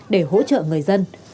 để hỗ trợ người dân